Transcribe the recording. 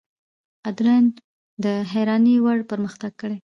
اردن د حیرانۍ وړ پرمختګ کړی.